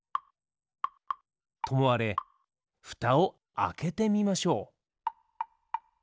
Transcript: ともあれふたをあけてみましょう。